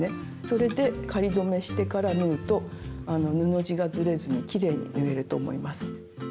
それで仮留めしてから縫うと布地がずれずにきれいに縫えると思います。